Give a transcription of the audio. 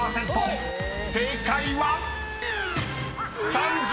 ［正解は⁉］